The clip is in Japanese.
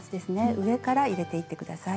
上から入れていって下さい。